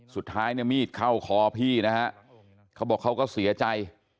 สุดท้ายมีดเข้าคอพี่นะครับเขาบอกเขาก็เสียใจ